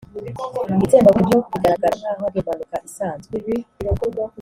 itsembabwoko ryo rigaragara nkaho ari impanuka isanzwe